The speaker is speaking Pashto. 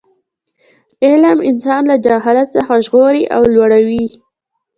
علم انسان له جهالت څخه ژغوري او لوړوي.